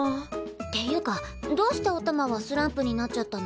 っていうかどうしておたまはスランプになっちゃったの？